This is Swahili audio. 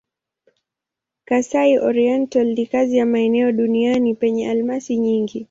Kasai-Oriental ni kati ya maeneo duniani penye almasi nyingi.